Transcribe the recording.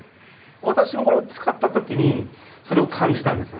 私もこれを使った時にそれを感じたんですよね。